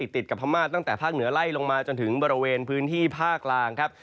ติดกับพม่าตั้งแต่ภาคเหนือไล่ลงมาจนถึงบริเวณพื้นที่ภาคกลางครับ